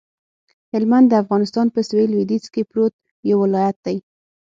هلمند د افغانستان په سویل لویدیځ کې پروت یو ولایت دی